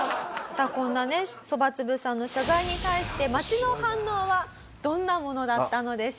さあこんなねそばつぶさんの謝罪に対して町の反応はどんなものだったのでしょうか？